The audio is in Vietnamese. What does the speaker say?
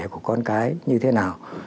của con cái như thế nào